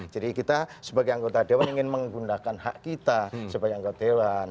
jadi kita sebagai anggota dewan ingin menggunakan hak kita sebagai anggota dewan